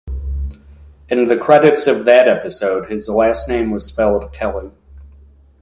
In the credits of that episode his last name was spelled Kelly.